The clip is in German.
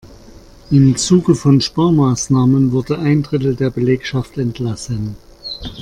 Im Zuge von Sparmaßnahmen wurde ein Drittel der Belegschaft entlassen.